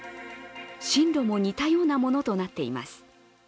進路も似たようなものとなっています。